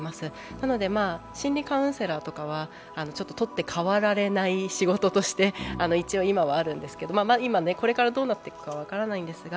なので、真理カウンセラーとかは取って代わられない仕事として一応、今はあるんですけど、これからどうなっていくかは分からないんですが。